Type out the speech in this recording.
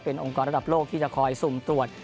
องค์กรระดับโลกที่จะคอยสุ่มตรวจ